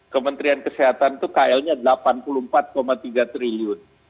kementerian kesehatan itu kl nya rp delapan puluh empat tiga triliun